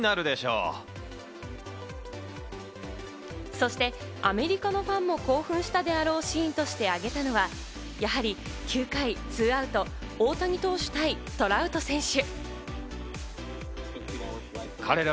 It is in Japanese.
そしてアメリカのファンも興奮したであろうシーンとして挙げたのは、やはり９回２アウトの大谷投手対トラウト選手。